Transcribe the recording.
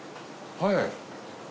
はい。